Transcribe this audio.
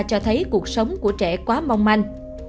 cho thấy cuộc sống của trẻ quá mong manh